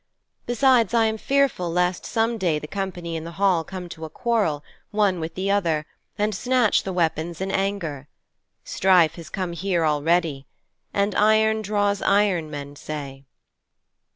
Besides, I am fearful lest some day the company in the hall come to a quarrel, one with the other, and snatch the weapons in anger. Strife has come here already. And iron draws iron, men say."'